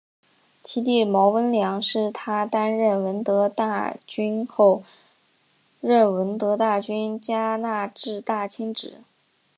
其弟毛温良在她担任闻得大君后任闻得大君加那志大亲职。